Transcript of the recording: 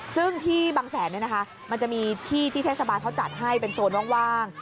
ซึ่งที่บางแสนมันจะมีที่ที่เทศบาลเขาจัดให้เป็นโซนว่าง